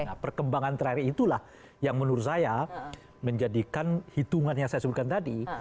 nah perkembangan terakhir itulah yang menurut saya menjadikan hitungan yang saya sebutkan tadi